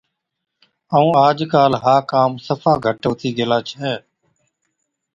ائُون آج ڪاله ها ڪام صفا گھٽ هُتِي گيلا ڇَي،